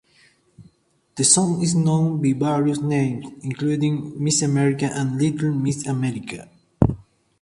The song is known by various names, including "Miss America" and "Little Miss America".